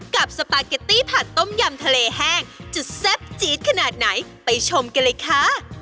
สปาเกตตี้ผัดต้มยำทะเลแห้งจะแซ่บจี๊ดขนาดไหนไปชมกันเลยค่ะ